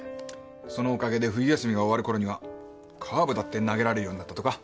そのお陰で冬休みが終わるころにはカーブだって投げられるようになったとか。